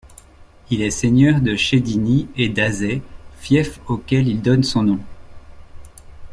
Il est seigneur de Chédigny et d'Azay, fief auquel il donne son nom.